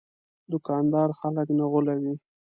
دوکاندار خلک نه غولوي.